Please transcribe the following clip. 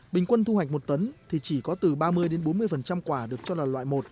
bình quân thu hoạch một tấn thì chỉ có từ ba mươi bốn mươi quả được cho là loại một